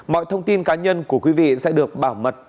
mọi thông tin cá nhân của quý vị sẽ được bảo mật